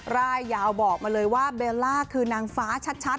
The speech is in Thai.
รายยาวบอกมาเลยว่าเบลล่าคือนางฟ้าชัด